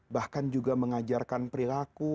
bahkan juga mengajarkan perilaku